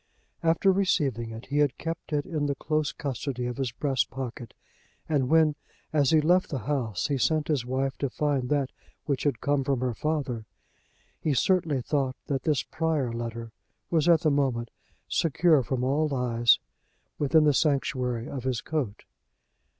After receiving it he had kept it in the close custody of his breast pocket; and when, as he left the house, he sent his wife to find that which had come from her father, he certainly thought that this prior letter was at the moment secure from all eyes within the sanctuary of his coat.